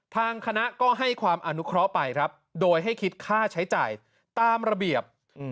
ทางคณะก็ให้ความอนุเคราะห์ไปครับโดยให้คิดค่าใช้จ่ายตามระเบียบ